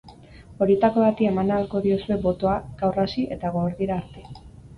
Horietako bati eman ahalko diozue botoa gaur hasi eta gauerdira arte.